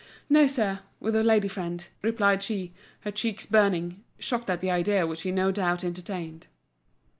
"No, sir; with a lady friend," replied she, her cheeks burning, shocked at the idea which he no doubt entertained.